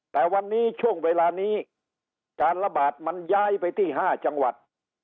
แต่วันนี้ช่วงเวลานี้การระบาดมันย้ายไปที่๕จังหวัด